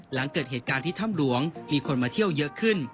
หลังเกิดเหตุการณ์ที่ถ้ำหลวงมีคนมาเที่ยวเยอะขึ้น